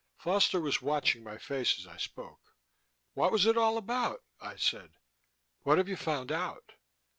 Foster was watching my face as I spoke. "What was it all about?" I said. "What have you found out?"